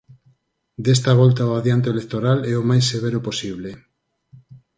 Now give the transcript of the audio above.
Desta volta o adianto electoral é o máis severo posible.